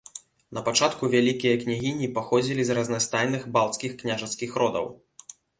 Напачатку вялікія княгіні паходзілі з разнастайных балцкіх княжацкіх родаў.